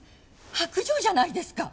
薄情じゃないですか！